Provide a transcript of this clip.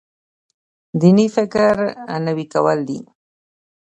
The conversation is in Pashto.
دیني فکر نوی کول دی.